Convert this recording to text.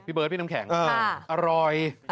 เบิร์ดพี่น้ำแข็งอร่อย